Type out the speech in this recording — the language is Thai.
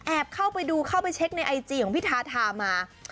แอบเข้าไปดูเช็คในไอจีของพี่ทาทามา